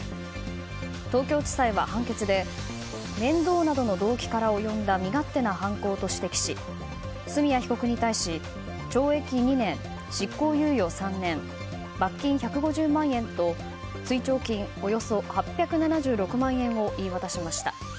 東京地裁は判決で面倒などの動機から及んだ身勝手な犯行と指摘し角谷被告に対し懲役２年、執行猶予３年罰金１５０万円と追徴金およそ８７６万円を言い渡しました。